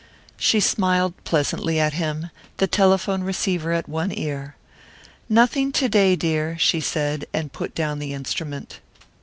She smiled pleasantly at him, the telephone receiver at one ear. "Nothing to day, dear," she said and put down the instrument.